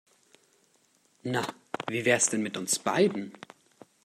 Na, wie wär's denn mit uns beiden?